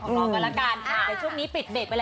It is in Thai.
ของน้องก็ละกันแต่ช่วงนี้ปิดเบคไปเลยก็ได้นะคะ